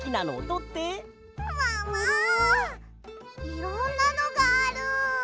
いろんなのがある。